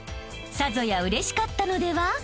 ［さぞやうれしかったのでは？］